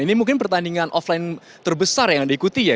ini mungkin pertandingan offline terbesar yang anda ikuti ya